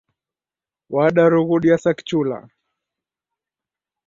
Wadarughudia sa kichula.